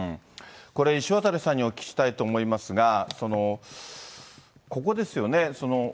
これ、石渡さんにお聞きしたいと思いますが、ここですよね。